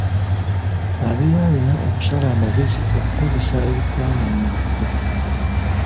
Abeera alina okusala amagezi ag’okukozesa ebifaananyi ebikube.